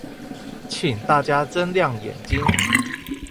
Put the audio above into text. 請大家睜亮眼睛